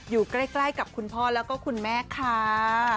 อยู่ใกล้กับคุณพ่อแล้วก็คุณแม่ค่ะ